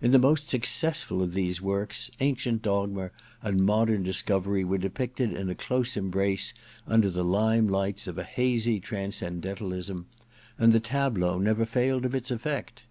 In the most successful of these works, ancient dogma and modern discovery were depicted in a dose embrace under the lime lights of a hazy transcendentalism ; and the tableau never failed of its effect.